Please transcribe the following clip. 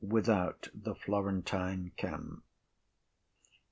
Without the Florentine camp.